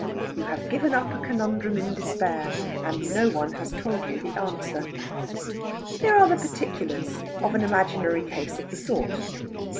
You have given up a conundrum in despair, and no one has told you the answer. Here are the particulars of an imaginary case of the sort.